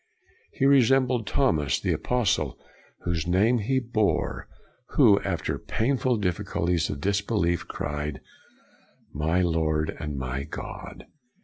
He resembled Thomas, the apostle whose name he bore, who, after painful difficulties of disbelief, cried, " My Lord and my God!'